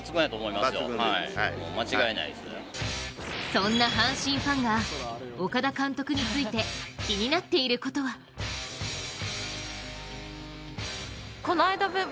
そんな阪神ファンが、岡田監督について気になっていることはまさにこれですか。